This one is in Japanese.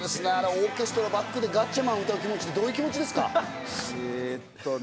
オーケストラをバックに『ガッチャマン』を歌う気持ちはどうなんですか？